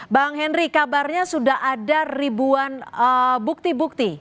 bang henry kabarnya sudah ada ribuan bukti bukti